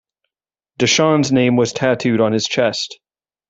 DeShawn's name was tattooed on his chest.